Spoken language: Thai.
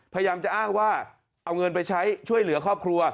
พยายามจะอ้างว่าเอาเงินไปใช้ช่วยเหลือครอบครัว